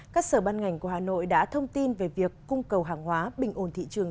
các sở ban ngành của hà nội đã thông tin về việc cung cầu hàng hóa bình ồn thị trường